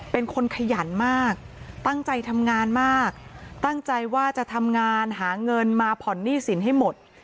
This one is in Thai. เป็นคนขยันมากตั้งใจทำงานมากตั้งใจว่าจะทำงานหาเงินมาผ่อนหนี้สินให้หมด